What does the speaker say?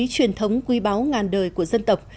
truyền thống quy báo ngàn đời của dân tộc